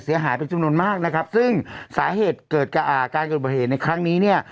เสียหายเป็นจำนวนมากนะครับซึ่งสาเหตุเกิดกับอ่าการเกิดประเหตุในครั้งนี้เนี่ย